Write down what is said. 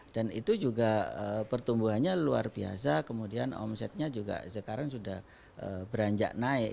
dan itu juga pertumbuhannya luar biasa kemudian omsetnya juga sekarang sudah beranjak naik